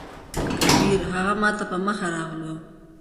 کبير: هغه ماته په مخه راغلو.